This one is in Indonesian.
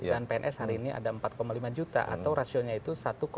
dan pns hari ini ada empat lima juta atau rasionya itu satu tujuh puluh tujuh